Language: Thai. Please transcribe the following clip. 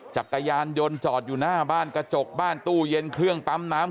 จักรยานยนต์จอดอยู่หน้าบ้านกระจกบ้านตู้เย็นเครื่องปั๊มน้ำ